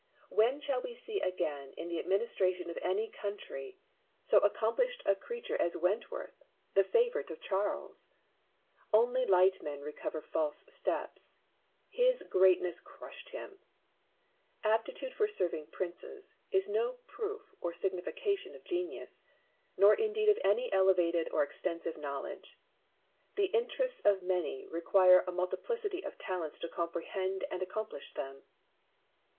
When shall we see again, in the administration of any country, so accomplished BARROW AND NEWTON. 195 a creature as Wentworth, the favourite of Charles 1 Ouly light men recover false steps; his greatness crushed him. Aptitude for serving princes is no proof or signifi cation of genius, nor indeed of any elevated or extensive knowledge. The interests of many require a multiplicity of talents to comprehend and accomplish them.